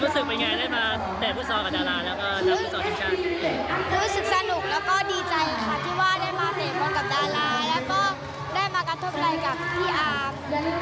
สุภพุทธเติมกลางแม่เห็นรีลาการความทุ่มเทแล้วบอกเลยว่าไม่ธรรมดาครับ